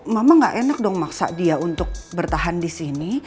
mama gak enak dong maksa dia untuk bertahan di sini